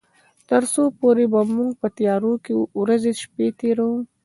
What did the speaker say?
تر څو پورې به موږ په تيارو کې ورځې شپې تيروي.